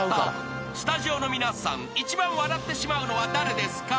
［スタジオの皆さん一番笑ってしまうのは誰ですか？］